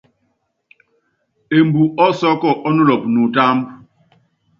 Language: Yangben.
Embu osɔ́ɔ́kɔ ɔ́ nulop nutúmbú.